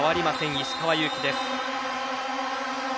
石川祐希です。